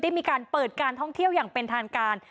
มีการเปิดการท่องเที่ยวอย่างเป็นทางการ